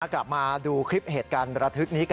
มากับมาดูเครีปของศักดิ์การราธึกหน่อยนะครับ